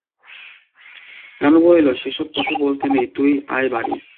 রানু বলিল, সে সব কথা বলতে নেই-তুই আয় বাড়ি।